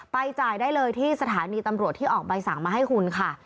จ่ายได้เลยที่สถานีตำรวจที่ออกใบสั่งมาให้คุณค่ะ